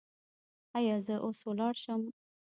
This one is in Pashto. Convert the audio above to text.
ایا زه اوس لاړ شم؟